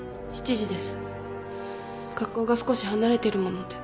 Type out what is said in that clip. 学校が少し離れているもので。